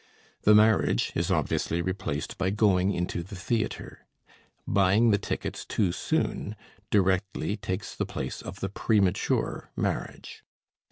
The marriage is obviously replaced by going into the theatre. "Buying the tickets too soon" directly takes the place of the premature marriage.